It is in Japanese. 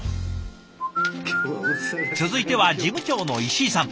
続いては事務長の石井さん。